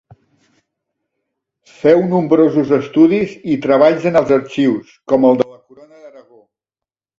Féu nombrosos estudis i treballs en els arxius, com el de la Corona d'Aragó.